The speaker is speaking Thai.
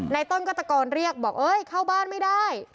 ต้นก็ตะโกนเรียกบอกเอ้ยเข้าบ้านไม่ได้